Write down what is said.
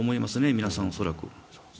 皆さん恐らく。